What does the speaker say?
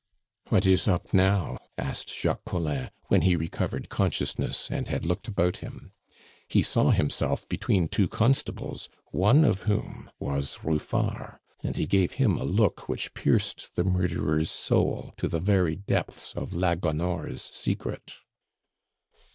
"What is up now?" asked Jacques Collin when he recovered consciousness and had looked about him. He saw himself between two constables, one of whom was Ruffard; and he gave him a look which pierced the murderer's soul to the very depths of la Gonore's secret.